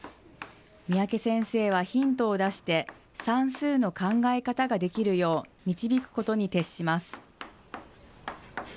三宅先生はヒントを出して、算数の考え方ができるよう導くことに徹します。